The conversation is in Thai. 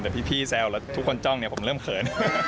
แต่พี่แซวแล้วทุกคนจ้องเนี่ยผมเริ่มเขิน